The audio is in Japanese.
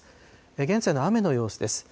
現在の雨の様子です。